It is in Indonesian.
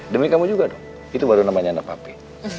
demi kamu juga dong itu baru namanya anak papi